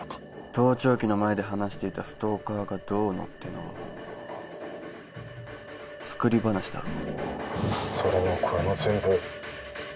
盗聴器の前で話していたストーカーがどうのってのは作り話だろ？